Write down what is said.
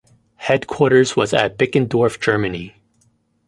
Headquarters was at Bickendorf, Germany.